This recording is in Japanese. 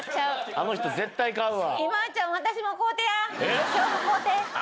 あの人絶対買うわ。